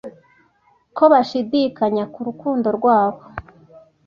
ko bashidikanya ku rukundo rwabo.